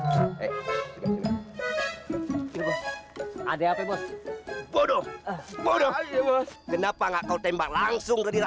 sampai jumpa di video selanjutnya